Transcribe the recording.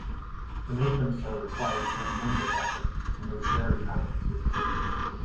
To make them so required tremendous effort - and was very time consuming.